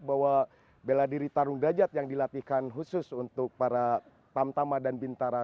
bahwa bela diri tarung derajat yang dilatihkan khusus untuk para tamtama dan bintara